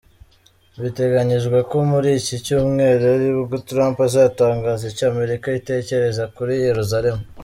Biteganyijwe ko muri iki Cyumweru aribwo Trump azatangaza icyo Amerika itekereza kuri Yeruzalemu.